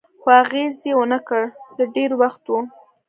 خو اغېز یې و نه کړ، د ډېر وخت و.